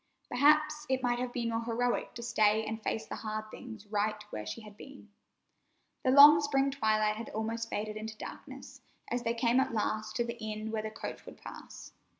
Perhaps it might have been more heroic to stay and face the hard things right where she had been. The long spring twilight had almost faded into darkness as they came at last to the inn where the coach would pass.